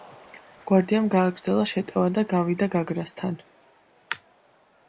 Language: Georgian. გვარდიამ გააგრძელა შეტევა და გავიდა გაგრასთან.